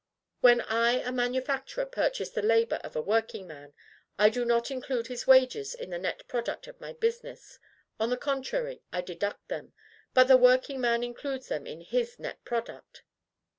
"When I, a manufacturer, purchase the labor of a workingman, I do not include his wages in the net product of my business; on the contrary, I deduct them. But the workingman includes them in his net product....